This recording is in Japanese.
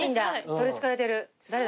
取りつかれてる。